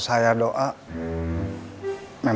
gak ada yang bisa dihukum